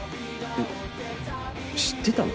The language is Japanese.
えっ知ってたの？